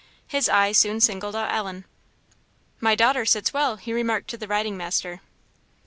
His eye soon singled out Ellen. "My daughter sits well," he remarked to the riding master.